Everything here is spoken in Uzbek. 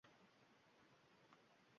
Qahri kelib kuylasa, bag‘ritoshlar sel bo‘ldi